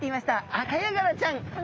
アカヤガラちゃん。